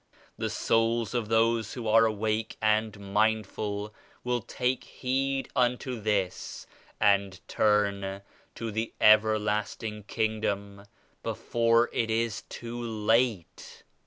The souls of those who are awake and mindful will take heed unto this and turn to the Ever lasting Kingdom before it is too late.